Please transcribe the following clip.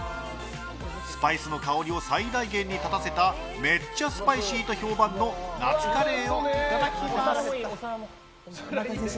スパイスの香りを最大限に立たせためっちゃスパイシーと評判の夏カレーをいただきます。